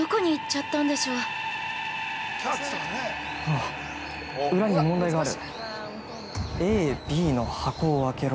◆あっ、裏に問題がある。